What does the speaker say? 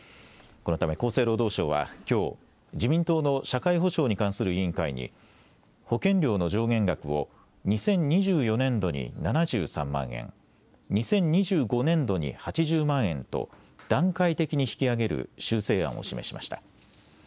このため厚生労働省はきょう自民党の社会保障に関する委員会に保険料の上限額を２０２４年度に７３万円、２０２５年度に８０万円と段階的に引き上げる修正案を示しました。